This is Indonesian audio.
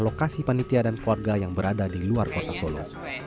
lokasi panitia dan keluarga yang berada di luar kota solo